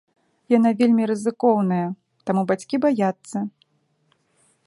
Яна вельмі рызыкоўная, таму бацькі баяцца.